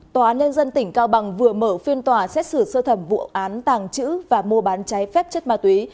tòa án nhân dân tỉnh cao bằng vừa mở phiên tòa xét xử sơ thẩm vụ án tàng trữ và mua bán cháy phép chất ma túy